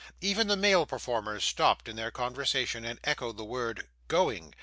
Even the male performers stopped in their conversation, and echoed the word 'Going!